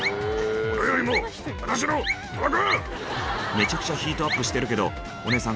めちゃくちゃヒートアップしてるけどお姉さん